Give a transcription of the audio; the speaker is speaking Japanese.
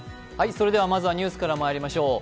まずはニュースからまいりましょう。